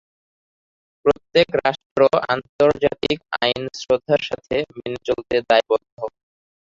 প্রত্যেক রাষ্ট্র আন্তর্জাতিক আইন শ্রদ্ধার সাথে মেনে চলতে দায়বদ্ধ।